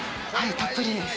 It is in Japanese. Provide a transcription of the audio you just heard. たっぷりです。